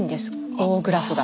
棒グラフが。